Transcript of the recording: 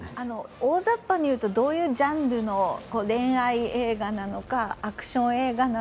大ざっぱにいうと、どういうジャンルの、恋愛映画なのかアクション映画なのか？